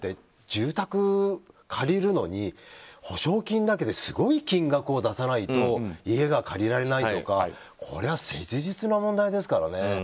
住宅借りるのに保証金だけで、すごい金額を出さないと家が借りられないとかこれは切実な問題ですからね。